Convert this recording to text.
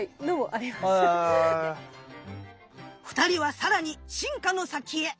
２人は更に進化の先へ。